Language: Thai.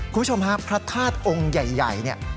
คุณผู้ชมฮะพระธาตุองค์ใหญ่เนี่ย